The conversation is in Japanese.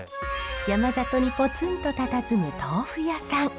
山里にポツンとたたずむ豆腐屋さん。